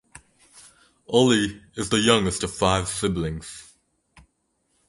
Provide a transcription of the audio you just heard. Ali is the youngest of five siblings.